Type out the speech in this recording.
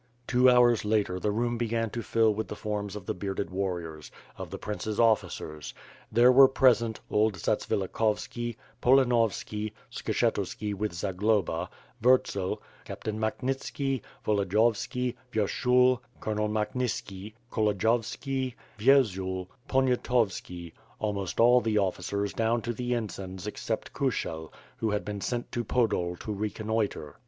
'* Two hours later the room began to fill with the forms of the bearded warriors, of the prince's officers; there were present, old Zatvilikhovski, Polanovki, Skshetuski with Za globa, Vurtzel, Captain Makhnitski, Volodiyovski, Vyershul, Colonel Machniski, Colodjowski, Wierzul, Poniatovski, almost all the officers down to the ensigns except Kushel, who had been sent to Podol to reconnoitre.